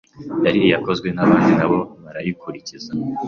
yari iyakozwe na abandi na bo barayikurikiza